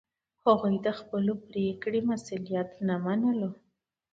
هغوی د خپلې پرېکړې مسوولیت نه منلو.